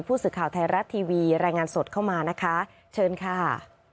ผู้สื่อข่าวไทยรัฐทีวีรายงานสดเข้ามานะคะเชิญค่ะ